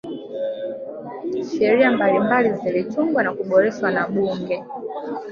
sheria mbalimbali zilitungwa na kuboreshwa na bunge